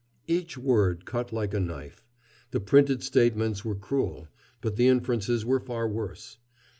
Each word cut like a knife. The printed statements were cruel, but the inferences were far worse.